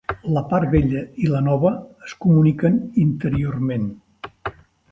La part vella i la nova es comuniquen interiorment.